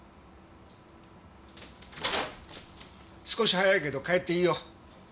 少し早いけど帰っていいよ。